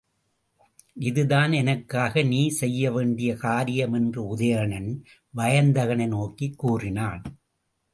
இதுதான் எனக்காக நீ செய்ய வேண்டிய காரியம் என்று உதயணன், வயந்தகனை நோக்கிக் கூறினான்.